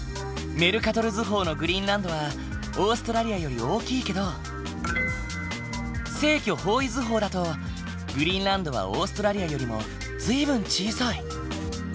メルカトル図法のグリーンランドはオーストラリアより大きいけど正距方位図法だとグリーンランドはオーストラリアよりも随分小さい。